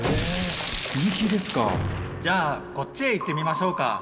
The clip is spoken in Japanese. じゃあこっちへ行ってみましょうか。